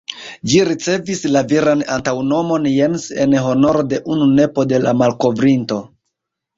Ĝi ricevis la viran antaŭnomon ""Jens"" en honoro de unu nepo de la malkovrinto.